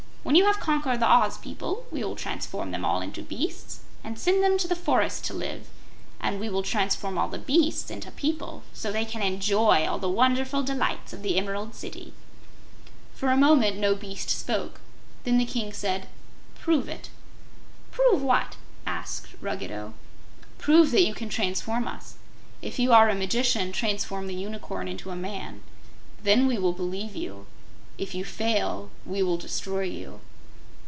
When you have conquered the Oz people we will transform them all into beasts, and send them to the forests to live, and we will transform all the beasts into people, so they can enjoy all the wonderful delights of the Emerald City." For a moment no beast spoke. Then the King said: "Prove it." "Prove what?" asked Ruggedo. "Prove that you can transform us. If you are a magician transform the Unicorn into a man. Then we will believe you. If you fail, we will destroy you."